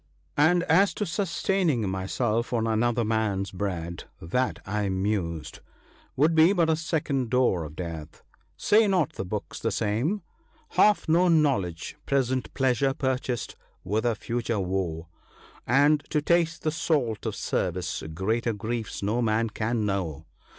" And as to sustaining myself on another man's bread, that/' I mused, " would be but a second door of death. Say not the books the same? —" Half known knowledge, present pleasure purchased with a future woe, And to taste the salt of service ( 3i )— greater griefs no man can know."